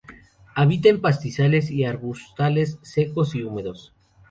Habita en pastizales y arbustales secos y húmedos.